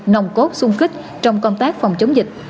nồng cốt sung kích trong công tác phòng chống dịch